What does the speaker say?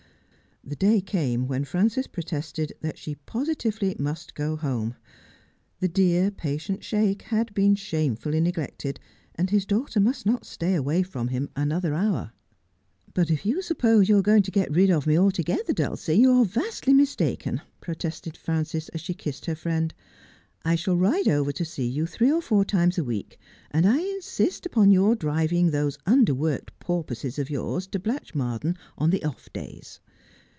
The day came when Frances protested that she positively must go home. The dear, patient Sheik had been shamefully neglected, and his daughter must not stay away from him another hour. ' But if you suppose you are going to get rid of me altogether, Dulcie, you are vastly mistaken,' protested Frances as she kissed her friend. ' I shall ride over to see you three or four times a week, and I insist upon your driving those underworked porpoises of yours to Blatchmardean on the off days.